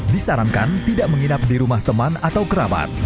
disarankan tidak menginap di rumah teman atau kerabat